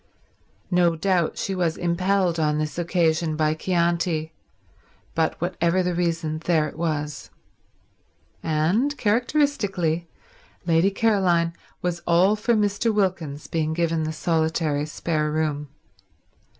No doubt she was impelled on this occasion by Chianti, but whatever the reason there it was. And, characteristically, Lady Caroline was all for Mr. Wilkins being given the solitary spare room.